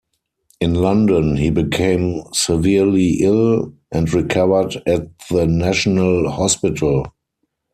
In London, he became severely ill, and recovered at the National Hospital.